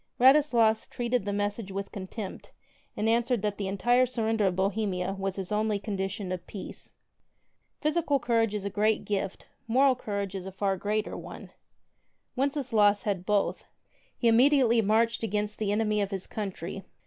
Radislas treated the message with contempt and an swered that the entire surrender of Bohemia was his only condition of peace. Physical courage is a great gift : moral courage is a far 33 greater one. Wenceslaus had both. He immediately marched against the enemy of his country.